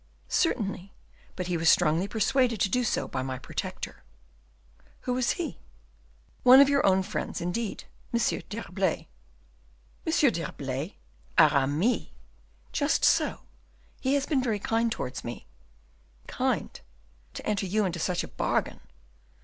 "Certainly, but he was strongly persuaded to do so by my protector." "Who is he?" "One of your own friends, indeed; M. d'Herblay." "M. d'Herblay! Aramis!" "Just so; he has been very kind towards me." "Kind! to make you enter into such a bargain!"